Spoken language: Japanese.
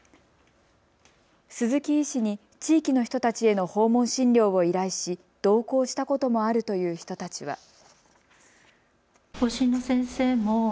鈴木医師に地域の人たちへの訪問診療を依頼し、同行したこともあるという人たちは。